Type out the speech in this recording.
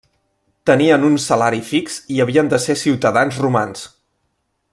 Tenien un salari fix i havien de ser ciutadans romans.